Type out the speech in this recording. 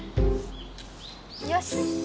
よし！